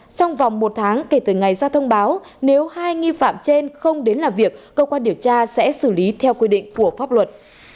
trong vòng một tháng kể từ ngày ra thông báo nếu hai nghi phạm trên không đến làm việc cơ quan điều tra sẽ xử lý theo quy định của pháp luật